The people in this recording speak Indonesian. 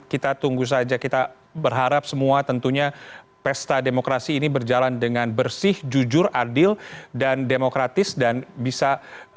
kita tunggu saja kita berharap semua tentunya pesta demokrasi ini berjalan dengan bersih jujur adil dan demokratis dan bisa berjalan